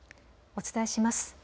お伝えします。